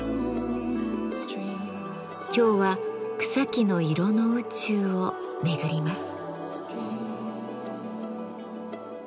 今日は「草木の色の宇宙」を巡ります。